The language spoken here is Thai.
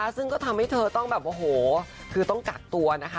ซึ่งก็ทำให้เธอต้องแบบโอ้โหคือต้องกักตัวนะคะ